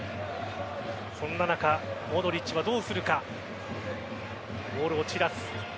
そんな中モドリッチはどうするか。